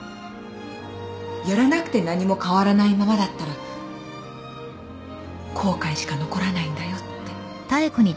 やらなくて何も変わらないままだったら後悔しか残らないんだよって。